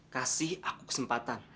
kasih aku kesempatan